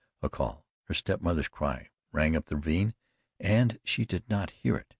A call her step mother's cry rang up the ravine and she did not hear it.